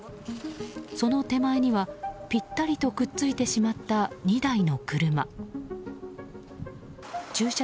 その手前にはぴったりとくっついてしまった２台の車。